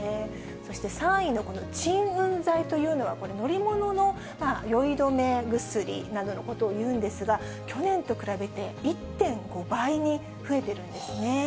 そして３位の鎮うん剤というのは、これ、乗り物の酔い止め薬などのことをいうんですが、去年と比べて１．５倍に増えているんですね。